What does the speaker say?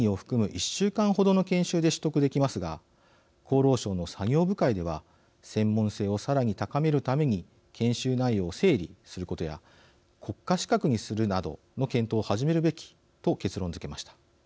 １週間程の研修で取得できますが厚労省の作業部会では専門性をさらに高めるために研修内容を整理することや国家資格にするなどの検討を始めるべきと結論づけました。